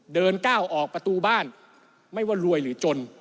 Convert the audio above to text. เดินก้าวออกประตูบ้านไม่ว่ารวยหรือจน